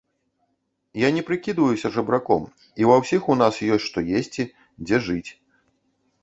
Я не прыкідваюся жабраком, і ва ўсіх у нас ёсць што есці, дзе жыць.